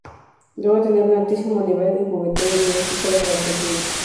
Luego de tener un altísimo nivel en Juventud Unida es fichado por Argentinos.